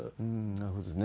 なるほどですね。